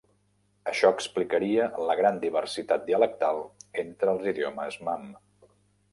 Això explicaria la gran diversitat dialectal entre els idiomes mam.